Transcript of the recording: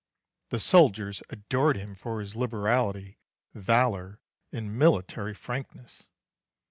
The soldiers adored him for his liberality, valour, and military frankness.